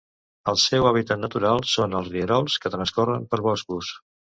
El seu hàbitat natural són els rierols que transcorren per boscos.